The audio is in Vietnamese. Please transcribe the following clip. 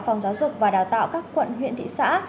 phòng giáo dục và đào tạo các quận huyện thị xã